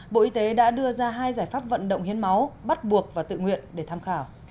bộ y tế đã đưa ra hai giải pháp vận động hiến máu bắt buộc và tự nguyện để tham khảo